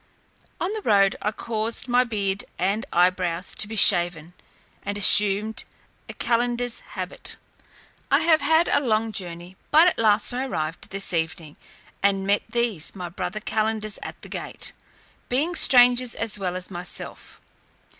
On the road I caused my beard and eye brows to be shaven, and assumed a calender's habit. I have had a long journey, but at last I arrived this evening, and met these my brother calenders at the gate, being strangers as well as myself.